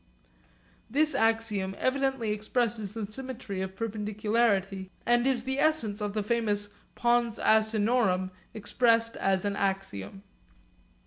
This axiom evidently expresses the symmetry of perpendicularity, and is the essence of the famous pons asinorum expressed as an axiom.